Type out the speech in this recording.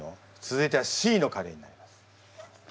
続いてはＣのカレーになります。